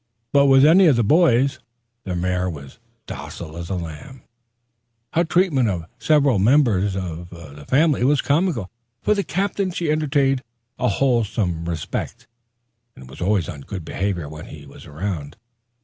But with any of the boys the mare was as docile as a lamb. Her treatment of the several members of the family was comical. For the Captain she entertained a wholesome respect, and was always on her good behavior when he was around.